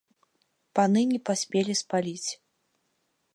Паны не паспелі спаліць.